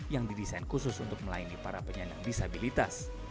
yang didesain khusus untuk melayani para penyandang disabilitas